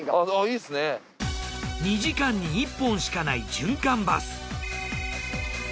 ２時間に１本しかない循環バス。